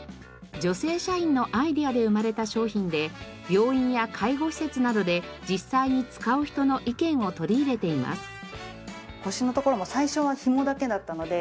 女性社員のアイデアで生まれた商品で病院や介護施設などで実際に使う人の意見を取り入れています。